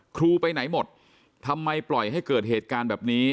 ครูไปไหนหมดทำไมปล่อยให้เกิดเหตุการณ์แบบนี้